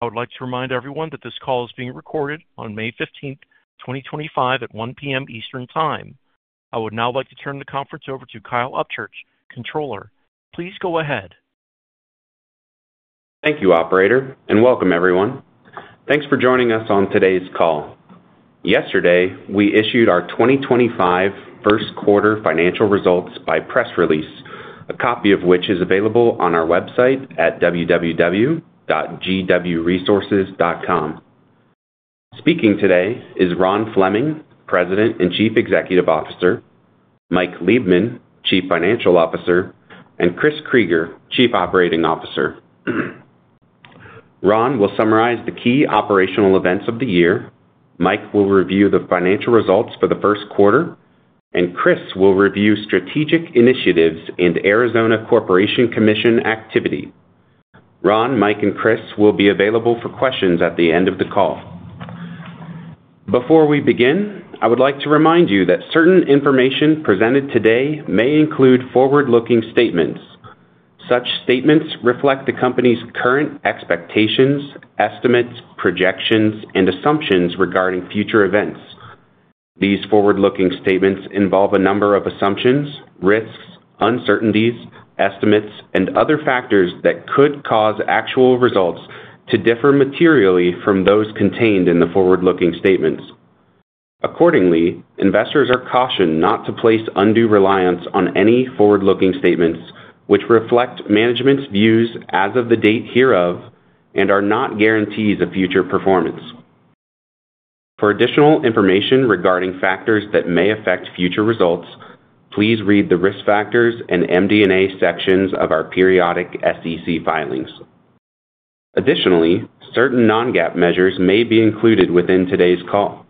I would like to remind everyone that this call is being recorded on May 15th, 2025, at 1:00 P.M. Eastern Time. I would now like to turn the conference over to Kyle Upchurch, Controller. Please go ahead. Thank you, Operator, and welcome, everyone. Thanks for joining us on today's call. Yesterday, we issued our 2025 first quarter financial results by press release, a copy of which is available on our website at www.gwresources.com. Speaking today is Ron Fleming, President and Chief Executive Officer; Mike Liebman, Chief Financial Officer; and Chris Krygier, Chief Operating Officer. Ron will summarize the key operational events of the year. Mike will review the financial results for the first quarter, and Chris will review strategic initiatives and Arizona Corporation Commission activity. Ron, Mike, and Chris will be available for questions at the end of the call. Before we begin, I would like to remind you that certain information presented today may include forward-looking statements. Such statements reflect the company's current expectations, estimates, projections, and assumptions regarding future events. These forward-looking statements involve a number of assumptions, risks, uncertainties, estimates, and other factors that could cause actual results to differ materially from those contained in the forward-looking statements. Accordingly, investors are cautioned not to place undue reliance on any forward-looking statements, which reflect management's views as of the date hereof and are not guarantees of future performance. For additional information regarding factors that may affect future results, please read the risk factors and MD&A sections of our periodic SEC filings. Additionally, certain non-GAAP measures may be included within today's call.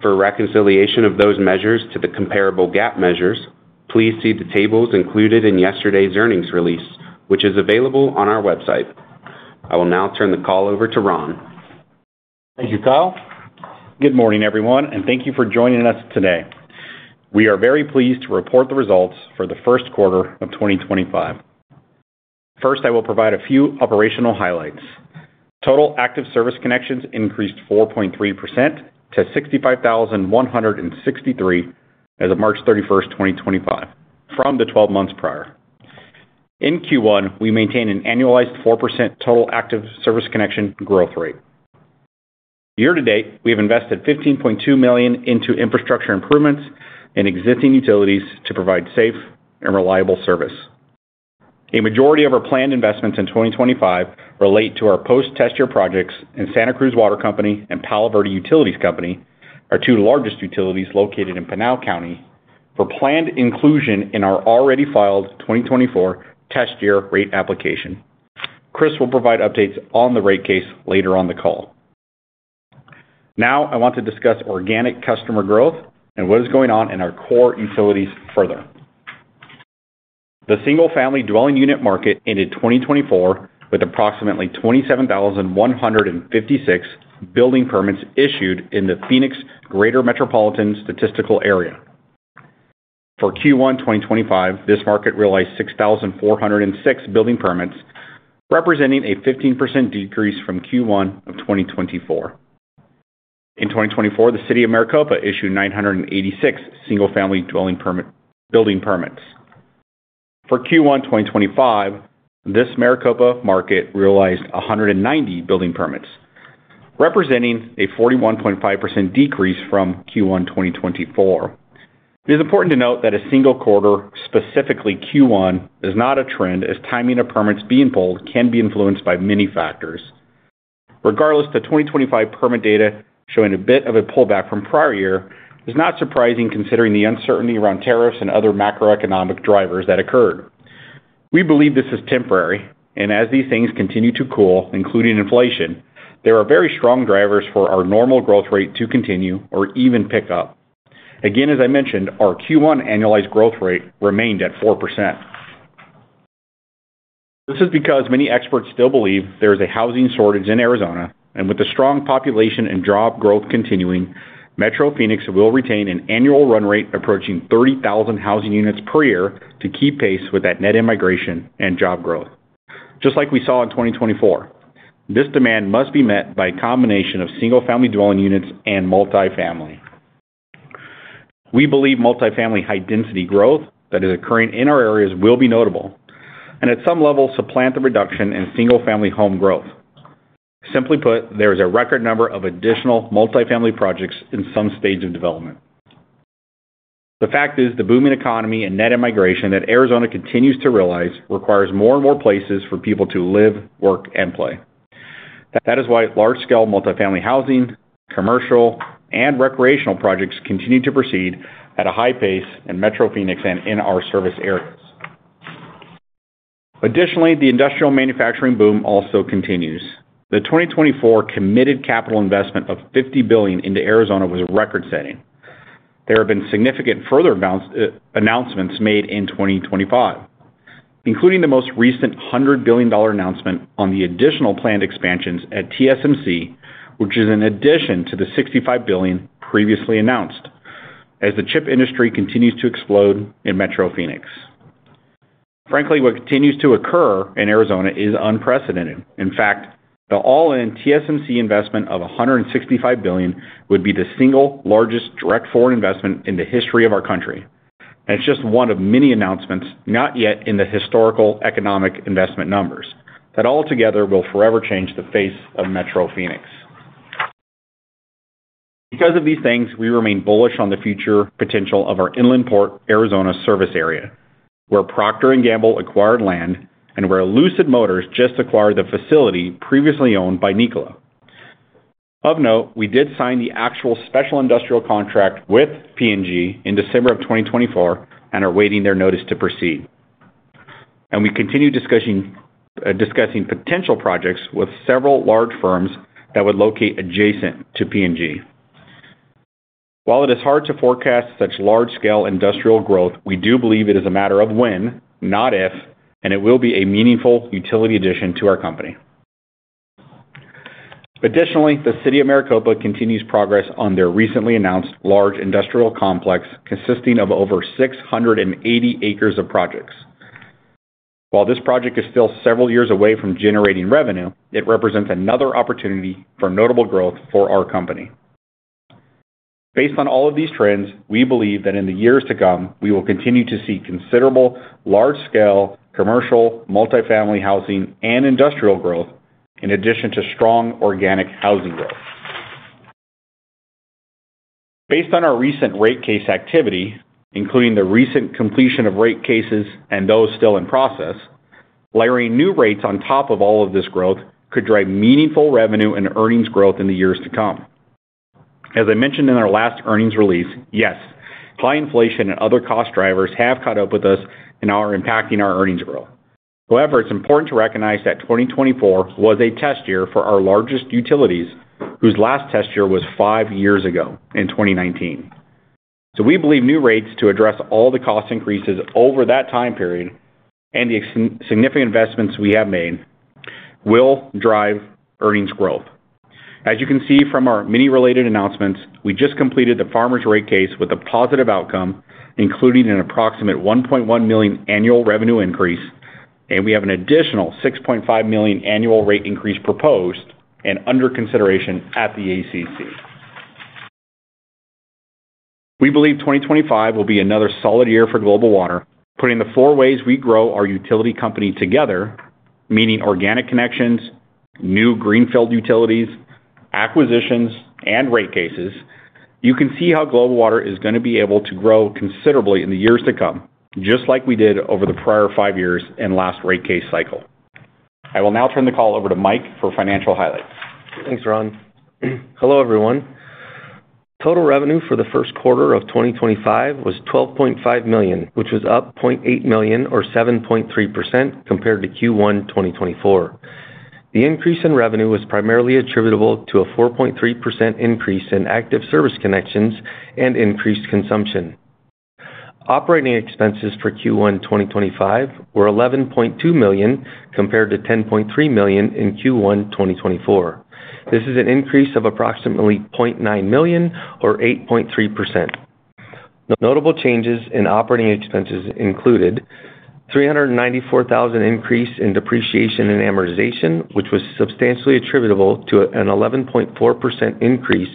For reconciliation of those measures to the comparable GAAP measures, please see the tables included in yesterday's earnings release, which is available on our website. I will now turn the call over to Ron. Thank you, Kyle. Good morning, everyone, and thank you for joining us today. We are very pleased to report the results for the first quarter of 2025. First, I will provide a few operational highlights. Total active service connections increased 4.3% to 65,163 as of March 31st, 2025, from the 12 months prior. In Q1, we maintain an annualized 4% total active service connection growth rate. Year-to-date, we have invested $15.2 million into infrastructure improvements and existing utilities to provide safe and reliable service. A majority of our planned investments in 2025 relate to our post-test year projects in Santa Cruz Water Company and Palo Verde Utilities Company, our two largest utilities located in Pinal County, for planned inclusion in our already filed 2024 test year rate application. Chris will provide updates on the rate case later on the call. Now, I want to discuss organic customer growth and what is going on in our core utilities further. The single-family dwelling unit market ended 2024 with approximately 27,156 building permits issued in the Phoenix Greater Metropolitan Statistical Area. For Q1 2025, this market realized 6,406 building permits, representing a 15% decrease from Q1 of 2024. In 2024, the City of Maricopa issued 986 single-family dwelling building permits. For Q1 2025, this Maricopa market realized 190 building permits, representing a 41.5% decrease from Q1 2024. It is important to note that a single quarter, specifically Q1, is not a trend, as timing of permits being pulled can be influenced by many factors. Regardless, the 2025 permit data, showing a bit of a pullback from prior year, is not surprising considering the uncertainty around tariffs and other macroeconomic drivers that occurred. We believe this is temporary, and as these things continue to cool, including inflation, there are very strong drivers for our normal growth rate to continue or even pick up. Again, as I mentioned, our Q1 annualized growth rate remained at 4%. This is because many experts still believe there is a housing shortage in Arizona, and with the strong population and job growth continuing, Metro Phoenix will retain an annual run rate approaching 30,000 housing units per year to keep pace with that net immigration and job growth, just like we saw in 2024. This demand must be met by a combination of single-family dwelling units and multi-family. We believe multi-family high-density growth that is occurring in our areas will be notable and, at some level, supplant the reduction in single-family home growth. Simply put, there is a record number of additional multi-family projects in some stage of development. The fact is, the booming economy and net immigration that Arizona continues to realize requires more and more places for people to live, work, and play. That is why large-scale multi-family housing, commercial, and recreational projects continue to proceed at a high pace in Metro Phoenix and in our service areas. Additionally, the industrial manufacturing boom also continues. The 2024 committed capital investment of $50 billion into Arizona was record-setting. There have been significant further announcements made in 2025, including the most recent $100 billion announcement on the additional planned expansions at TSMC, which is in addition to the $65 billion previously announced, as the chip industry continues to explode in Metro Phoenix. Frankly, what continues to occur in Arizona is unprecedented. In fact, the all-in TSMC investment of $165 billion would be the single largest direct foreign investment in the history of our country. It is just one of many announcements not yet in the historical economic investment numbers that altogether will forever change the face of Metro Phoenix. Because of these things, we remain bullish on the future potential of our inland port, Arizona service area, where Procter & Gamble acquired land and where Lucid Motors just acquired the facility previously owned by Nikola. Of note, we did sign the actual special industrial contract with P&G in December of 2024 and are awaiting their notice to proceed. We continue discussing potential projects with several large firms that would locate adjacent to P&G. While it is hard to forecast such large-scale industrial growth, we do believe it is a matter of when, not if, and it will be a meaningful utility addition to our company. Additionally, the City of Maricopa continues progress on their recently announced large industrial complex consisting of over 680 acres of projects. While this project is still several years away from generating revenue, it represents another opportunity for notable growth for our company. Based on all of these trends, we believe that in the years to come, we will continue to see considerable large-scale commercial, multi-family housing, and industrial growth, in addition to strong organic housing growth. Based on our recent rate case activity, including the recent completion of rate cases and those still in process, layering new rates on top of all of this growth could drive meaningful revenue and earnings growth in the years to come. As I mentioned in our last earnings release, yes, high inflation and other cost drivers have caught up with us and are impacting our earnings growth. However, it's important to recognize that 2024 was a test year for our largest utilities, whose last test year was five years ago in 2019. So we believe new rates to address all the cost increases over that time period and the significant investments we have made will drive earnings growth. As you can see from our many related announcements, we just completed the Farmers' rate case with a positive outcome, including an approximate $1.1 million annual revenue increase, and we have an additional $6.5 million annual rate increase proposed and under consideration at the ACC. We believe 2025 will be another solid year for Global Water, putting the four ways we grow our utility company together, meaning organic connections, new greenfield utilities, acquisitions, and rate cases. You can see how Global Water is going to be able to grow considerably in the years to come, just like we did over the prior five years and last rate case cycle. I will now turn the call over to Mike for financial highlights. Thanks, Ron. Hello, everyone. Total revenue for the first quarter of 2025 was $12.5 million, which was up $0.8 million or 7.3% compared to Q1 2024. The increase in revenue was primarily attributable to a 4.3% increase in active service connections and increased consumption. Operating expenses for Q1 2025 were $11.2 million compared to $10.3 million in Q1 2024. This is an increase of approximately $0.9 million or 8.3%. Notable changes in operating expenses included a $394,000 increase in depreciation and amortization, which was substantially attributable to an 11.4% increase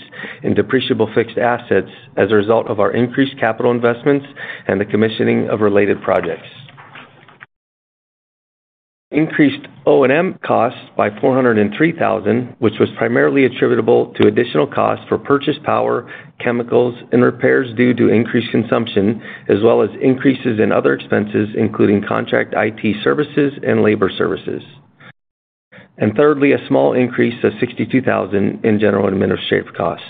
in depreciable fixed assets as a result of our increased capital investments and the commissioning of related projects. Increased O&M costs by $403,000, which was primarily attributable to additional costs for purchase power, chemicals, and repairs due to increased consumption, as well as increases in other expenses, including contract IT services and labor services. Thirdly, a small increase of $62,000 in general administrative costs.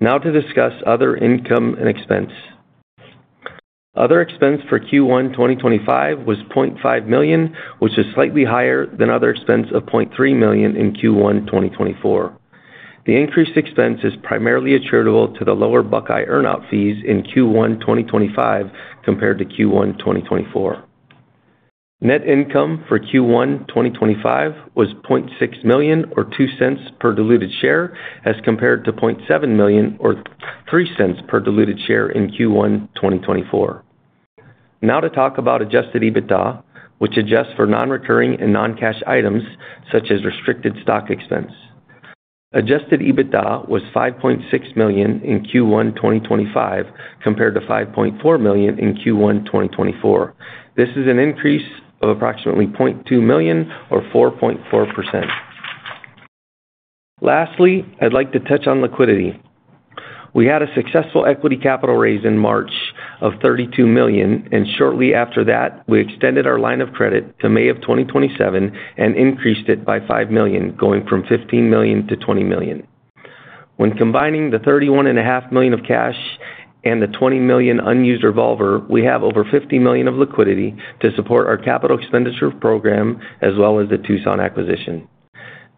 Now to discuss other income and expense. Other expense for Q1 2025 was $0.5 million, which is slightly higher than other expense of $0.3 million in Q1 2024. The increased expense is primarily attributable to the lower Buckeye earnout fees in Q1 2025 compared to Q1 2024. Net income for Q1 2025 was $0.6 million or $0.02 per diluted share as compared to $0.7 million or $0.03 per diluted share in Q1 2024. Now to talk about adjusted EBITDA, which adjusts for non-recurring and non-cash items such as restricted stock expense. Adjusted EBITDA was $5.6 million in Q1 2025 compared to $5.4 million in Q1 2024. This is an increase of approximately $0.2 million or 4.4%. Lastly, I'd like to touch on liquidity. We had a successful equity capital raise in March of $32 million, and shortly after that, we extended our line of credit to May of 2027 and increased it by $5 million, going from $15 million to $20 million. When combining the $31.5 million of cash and the $20 million unused revolver, we have over $50 million of liquidity to support our capital expenditure program as well as the Tucson acquisition.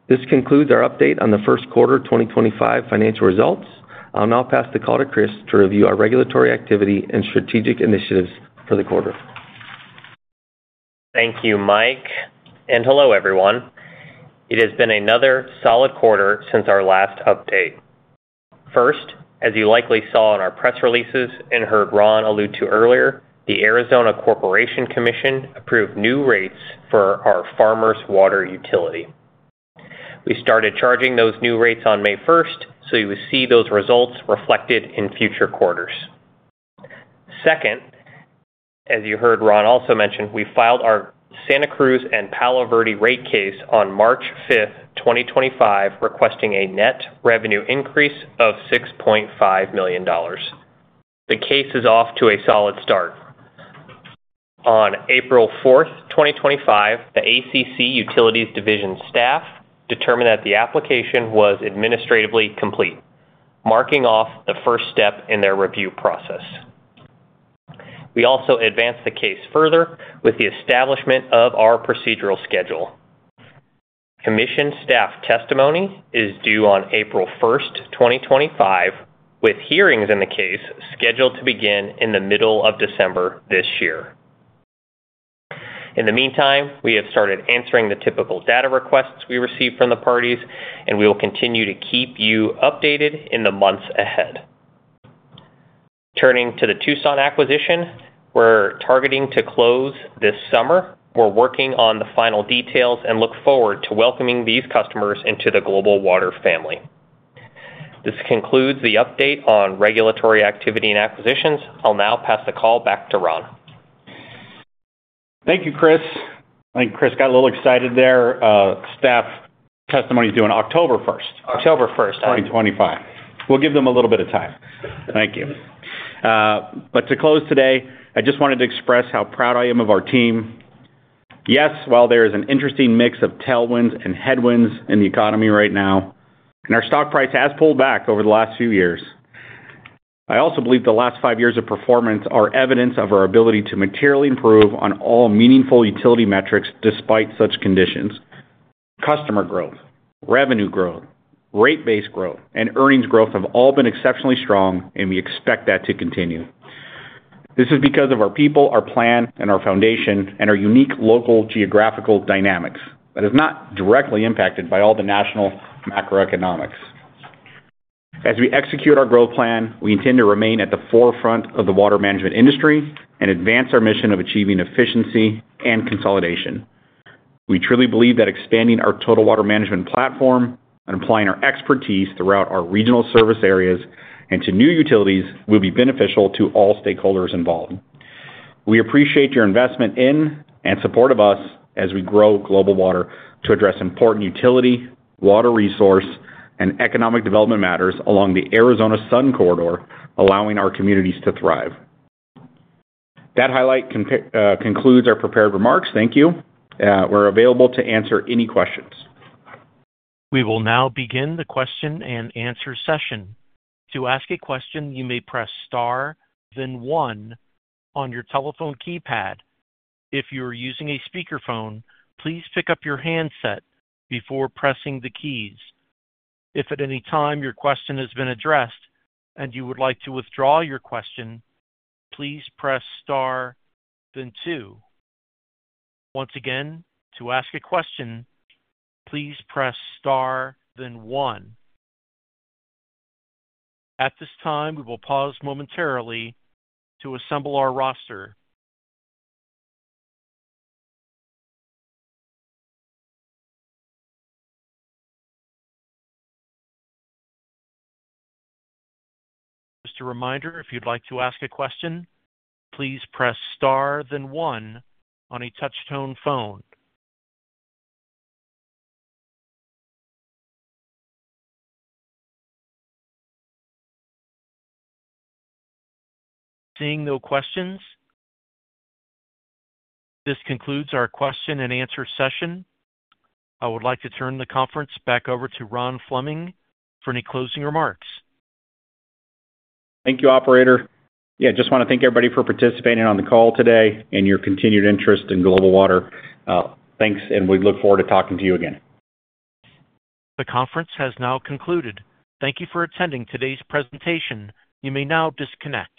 This concludes our update on the first quarter 2025 financial results. I'll now pass the call to Chris to review our regulatory activity and strategic initiatives for the quarter. Thank you, Mike. Hello, everyone. It has been another solid quarter since our last update. First, as you likely saw in our press releases and heard Ron allude to earlier, the Arizona Corporation Commission approved new rates for our Farmers' Water Utility. We started charging those new rates on May 1st, so you will see those results reflected in future quarters. Second, as you heard Ron also mention, we filed our Santa Cruz and Palo Verde rate case on March 5th, 2025, requesting a net revenue increase of $6.5 million. The case is off to a solid start. On April 4th, 2025, the ACC Utilities Division staff determined that the application was administratively complete, marking off the first step in their review process. We also advanced the case further with the establishment of our procedural schedule. Commission staff testimony is due on April 1st, 2025, with hearings in the case scheduled to begin in the middle of December this year. In the meantime, we have started answering the typical data requests we received from the parties, and we will continue to keep you updated in the months ahead. Turning to the Tucson acquisition, we're targeting to close this summer. We're working on the final details and look forward to welcoming these customers into the Global Water family. This concludes the update on regulatory activity and acquisitions. I'll now pass the call back to Ron. Thank you, Chris. I think Chris got a little excited there. Staff testimony is due on October 1st. October 1st, 2025. We'll give them a little bit of time. Thank you. To close today, I just wanted to express how proud I am of our team. Yes, while there is an interesting mix of tailwinds and headwinds in the economy right now, and our stock price has pulled back over the last few years, I also believe the last five years of performance are evidence of our ability to materially improve on all meaningful utility metrics despite such conditions. Customer growth, revenue growth, rate-based growth, and earnings growth have all been exceptionally strong, and we expect that to continue. This is because of our people, our plan, our foundation, and our unique local geographical dynamics that is not directly impacted by all the national macroeconomics. As we execute our growth plan, we intend to remain at the forefront of the water management industry and advance our mission of achieving efficiency and consolidation. We truly believe that expanding our total water management platform and applying our expertise throughout our regional service areas and to new utilities will be beneficial to all stakeholders involved. We appreciate your investment in and support of us as we grow Global Water to address important utility, water resource, and economic development matters along the Arizona Sun Corridor, allowing our communities to thrive. That highlight concludes our prepared remarks. Thank you. We're available to answer any questions. We will now begin the question and answer session. To ask a question, you may press star, then one on your telephone keypad. If you are using a speakerphone, please pick up your handset before pressing the keys. If at any time your question has been addressed and you would like to withdraw your question, please press star, then two. Once again, to ask a question, please press star, then one. At this time, we will pause momentarily to assemble our roster. Just a reminder, if you'd like to ask a question, please press star, then one on a touch-tone phone. Seeing no questions, this concludes our question and answer session. I would like to turn the conference back over to Ron Fleming for any closing remarks. Thank you, Operator. Yeah, just want to thank everybody for participating on the call today and your continued interest in Global Water. Thanks, and we look forward to talking to you again. The conference has now concluded. Thank you for attending today's presentation. You may now disconnect.